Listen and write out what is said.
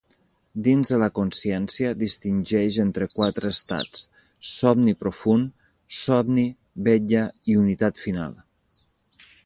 Dins de la consciència, distingeix entre quatre estats: somni profund, somni, vetlla i unitat final.